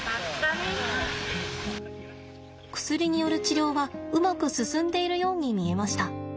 薬による治療はうまく進んでいるように見えました。